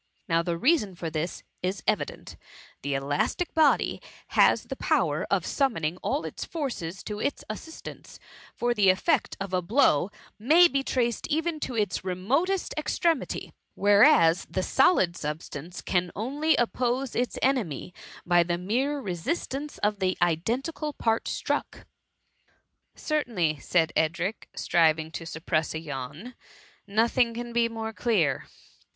Now the reason for this is evident : the elastic body has the power of summoning all its forces to its assistance, for the effect of a blow may be traced even to its remotest ex tremity ; whereas the solid substance can only 174 THE MUMMY. oppose its enemy by the mere resistance of the identical part struck.^ " Certainly,'' said Edric, striving to sup press a yawn ;^^ nothing can be more clear.''